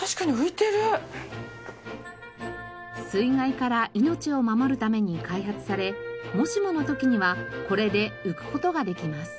水害から命を守るために開発されもしもの時にはこれで浮く事ができます。